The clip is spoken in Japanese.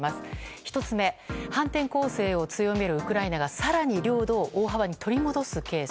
１つ目、反転攻勢を強めるウクライナが更に領土を大幅に取り戻すケース。